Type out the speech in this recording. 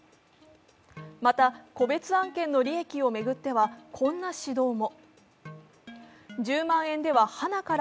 また個別案件の利益を巡っては、こんな指導も。